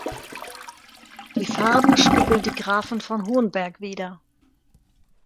Die Farben spiegeln die Grafen von Hohenberg wider.